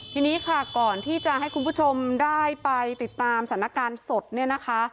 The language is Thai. ทีนี้ค่ะก่อนที่จะให้คุณผู้ชมได้ไปติดตามสถานการณ์สดเนี่ยนะคะ